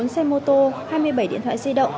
một mươi bốn xe mô tô hai mươi bảy điện thoại di động